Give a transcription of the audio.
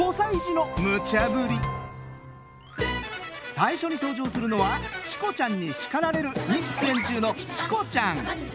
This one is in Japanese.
最初に登場するのは「チコちゃんに叱られる」に出演中のチコちゃん。